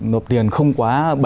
nộp tiền không quá bảy mươi